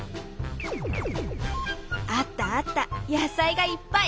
あったあった野菜がいっぱい！